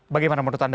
bagaimana menurut anda